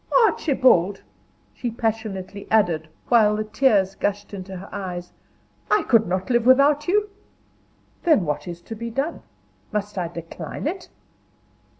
Archibald," she passionately added, while the tears gushed into her eyes. "I could not live without you." "Then what is to be done? Must I decline it?"